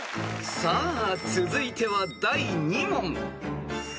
［さあ続いては第２問］